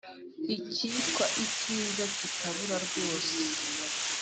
Ikitwa ikiza kikabura rwose